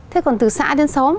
thế còn từ xã đến xóm